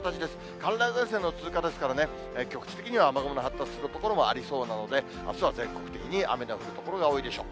寒冷前線の通過ですからね、局地的には雨雲の発達する所もありそうなので、あすは全国的に雨の降る所が多いでしょう。